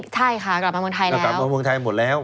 ใช่ค่ะกลับมาเมืองไทยแล้ว